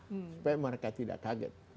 supaya mereka tidak kaget